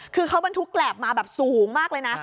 เขาบรรทุกแกรบมาสูงมากเลยนะ